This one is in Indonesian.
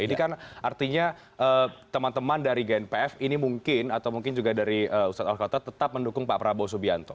ini kan artinya teman teman dari gnpf ini mungkin atau mungkin juga dari ustadz al khatat tetap mendukung pak prabowo subianto